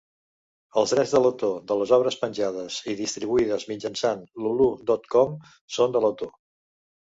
Els drets d'autor de les obres penjades i distribuïdes mitjançant Lulu dot com són de l'autor.